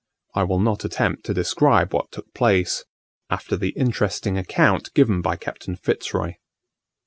I will not attempt to describe what took place, after the interesting account given by Captain Fitz Roy.